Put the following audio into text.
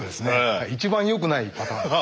一番よくないパターンですよね。